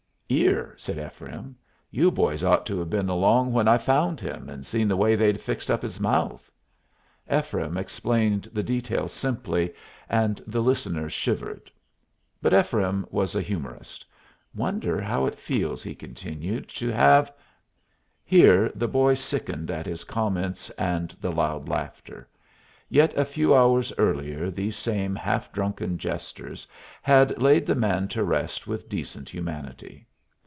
"Ear?" said Ephraim. "You boys ought to been along when I found him, and seen the way they'd fixed up his mouth." Ephraim explained the details simply, and the listeners shivered. But Ephraim was a humorist. "Wonder how it feels," he continued, "to have " [Illustration: AN APACHE] Here the boy sickened at his comments and the loud laughter. Yet a few hours earlier these same half drunken jesters had laid the man to rest with decent humanity.